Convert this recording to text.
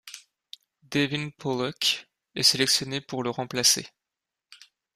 Devin Pawluk est sélectionné pour le remplacer.